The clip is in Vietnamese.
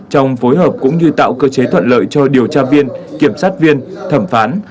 trong phối hợp cũng như tạo cơ chế thuận lợi cho điều tra viên kiểm sát viên thẩm phán